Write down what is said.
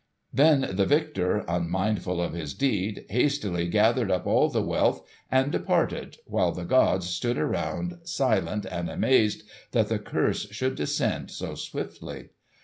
Then the victor, unmindful of his deed, hastily gathered up all the wealth and departed, while the gods stood around silent and amazed that the curse should descend so swiftly.